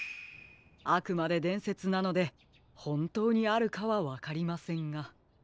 あくまででんせつなのでほんとうにあるかはわかりませんが。